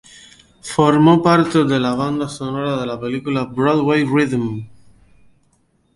Formó parte de la banda sonora de la película "Broadway Rhythm".